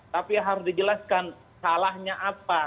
tapi harus dijelaskan salahnya apa